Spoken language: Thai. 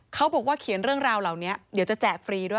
เขาบอกว่าเขียนเรื่องราวเหล่านี้เดี๋ยวจะแจกฟรีด้วย